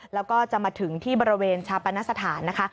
แล้วก็จะมาถึงที่บริเวณชาปนสถานนะคะ